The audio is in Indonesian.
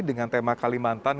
dengan tema kalimantan